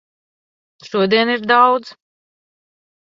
Šodien ir daudz.